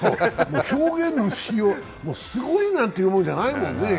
表現のしようがすごいなんてもんじゃないもんね。